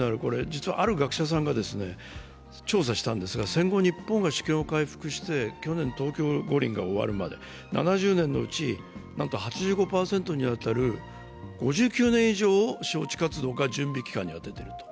実はある学者さんが調査したんですが、戦後日本が市況を回復して東京オリンピックが終わるまで７０年のうち、なんと８５％にわたる５９年以上を招致活動か準備期間に充てている。